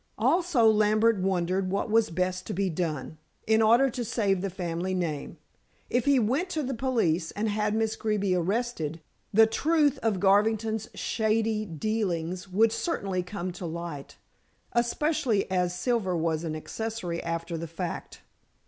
Also, Lambert wondered what was best to be done, in order to save the family name. If he went to the police and had Miss Greeby arrested, the truth of Garvington's shady dealings would certainly come to light, especially as Silver was an accessory after the fact.